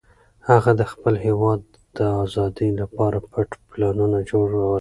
هغه د خپل هېواد د ازادۍ لپاره پټ پلانونه جوړول.